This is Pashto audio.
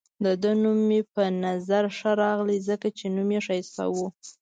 د ده نوم مې په نظر ښه راغلی، ځکه چې نوم يې ښایسته وو.